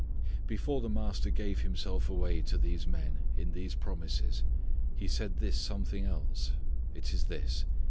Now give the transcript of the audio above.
Before the Master gave Himself away to these men in these promises He said this something else. It is this.